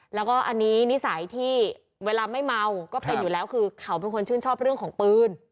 แล้วก็อันนี้นิสัยที่เวลาไม่เมาก็เป็นอยู่แล้วคือเขาเป็นคนชื่นชอบเรื่องของปืน